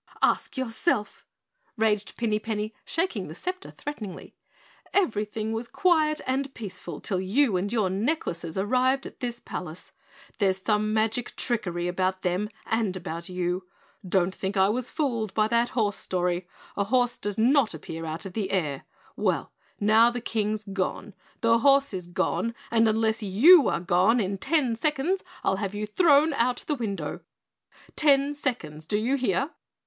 "Ask yourself!" raged Pinny Penny, shaking the scepter threateningly. "Everything was quiet and peaceful till you and your necklaces arrived at this palace; there's some magic trickery about them and about you. Don't think I was fooled by that horse story, a horse does not appear out of the air. Well, now the King's gone the horse is gone and unless you are gone in ten seconds I'll have you thrown out of the window. Ten seconds do you hear?